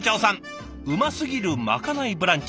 「うますぎるまかないブランチ」。